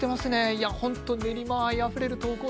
いや本当練馬愛あふれる投稿ですね。